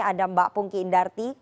ada mbak pungki indarti